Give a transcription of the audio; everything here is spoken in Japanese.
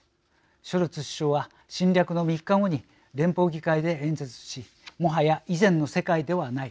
ショルツ首相は侵攻の３日後に連邦議会で演説し「もはや以前の世界ではない。